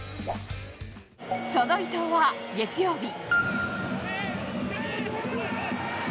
その伊東は月曜日。